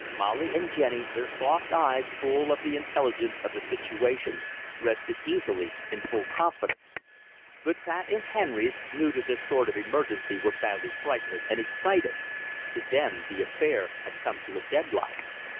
Molly and Jenny, their soft eyes full of the intelligence of the situation, rested easily in full confidence. But Pat and Henrys, new to this sort of emergency, were badly frightened and excited. To them the affair had come to a deadlock.